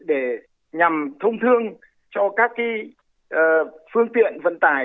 để nhằm thông thương cho các phương tiện vận tải